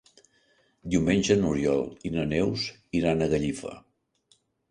Diumenge n'Oriol i na Neus iran a Gallifa.